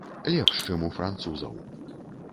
Лепш, чым у французаў.